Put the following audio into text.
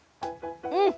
うん！